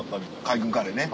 海軍カレーね。